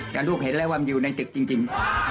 แต่ลูกเห็นแล้วว่ามันอยู่ในตึกจริง